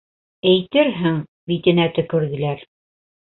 Әйтерһең, битенә төкөрҙөләр.